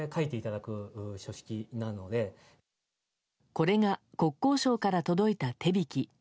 これが国交省から届いた手引き。